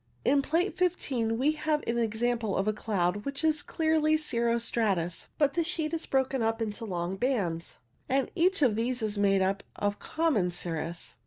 In Plate 15 we have an example of a cloud which is clearly cirro stratus, but the sheet is broken up into long bands, and each of these is made up of common cirrus.